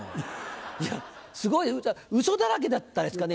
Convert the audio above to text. いやすごいウソだらけだったですかね